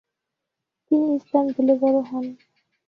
তিনি ইস্তানবুলে বড় হন।